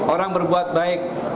orang berbuat baik